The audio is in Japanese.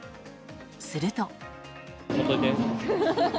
すると。